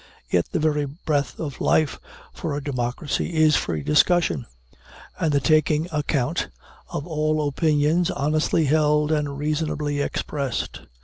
Yet the very breath of life for a democracy is free discussion, and the taking account, of all opinions honestly held and reasonably expressed.